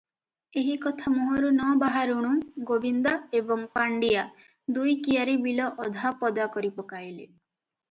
ଏହି କଥା ମୁହଁରୁ ନବାହାରୁଣୁ ଗୋବିନ୍ଦା ଏବଂ ପାଣ୍ଡିଆ ଦୁଇ କିଆରୀ ବିଲ ଅଧା ପଦା କରିପକାଇଲେ ।